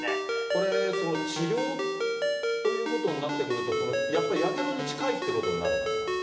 これ、治療ということになってくると、やっぱりやけどに近いってことになるんですか。